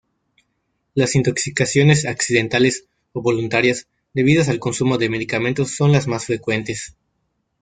Las intoxicaciones accidentales o voluntarias debidas al consumo de medicamentos son las más frecuentes.